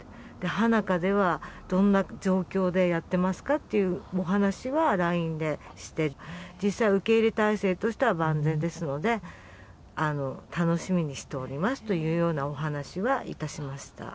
華雅ではどんな状況でやってますかというお話はＬＩＮＥでして、実際、受け入れ態勢としては万全ですので、楽しみにしておりますというようなお話はいたしました。